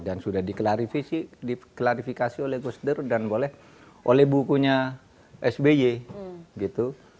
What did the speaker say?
dan sudah diklarifikasi oleh gus dur dan oleh bukunya sby gitu